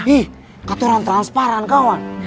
ih kata orang transparan kawan